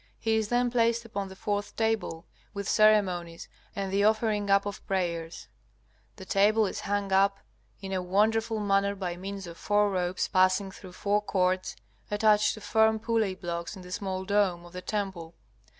He is then placed upon the fourth table, with ceremonies and the offering up of prayers: the table is hung up in a wonderful manner by means of four ropes passing through four cords attached to firm pulley blocks in the small dome of the temple.